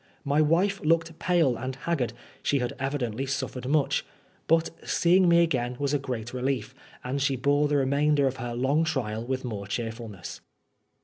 My wife looked pale and haggard. She had evidently suffered much. But see ing me again was a great relief, and she bore the remainder of her long trial with more cheerfulness.